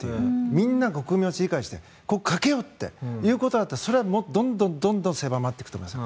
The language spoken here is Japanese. みんな国民が理解してかけようということでそれはどんどん狭まっていくと思います。